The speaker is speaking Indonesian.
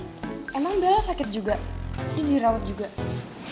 iya itu emang bella sakit juga disini terawat disini juga kan ya lo makanya